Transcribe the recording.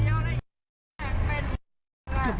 ครับเทพ